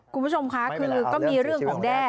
คุณผู้ชมค่ะคือก็มีเรื่องของแด้